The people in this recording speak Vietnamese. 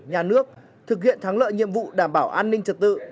nhà nước thực hiện thắng lợi nhiệm vụ đảm bảo an ninh trật tự